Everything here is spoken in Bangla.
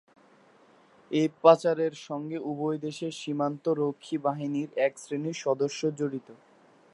এই পাচারের সঙ্গে উভয় দেশের সীমান্তরক্ষী বাহিনীর একশ্রেণির সদস্য জড়িত।